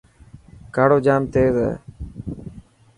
ڪاڙو جام تيز هي.